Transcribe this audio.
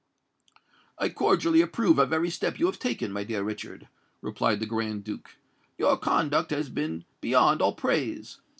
"I cordially approve of every step you have taken, my dear Richard," replied the Grand Duke: "your conduct has been beyond all praise.